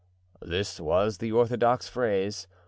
This was the orthodox phrase.